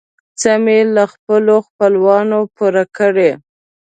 څه مې له خپلو خپلوانو پور کړې.